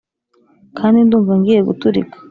kandi ndumva ngiye guturika,